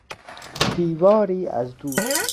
دیواری از دود